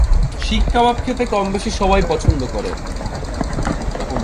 শিক কাবাব খেতে কমবেশি সবাই পছন্দ করেন।